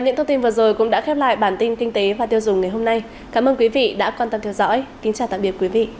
hãy đăng ký kênh để ủng hộ kênh của mình nhé